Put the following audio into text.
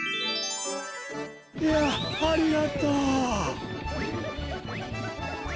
いやありがとう。